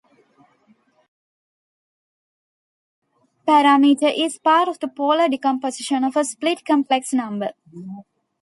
This parameter is part of the polar decomposition of a split-complex number.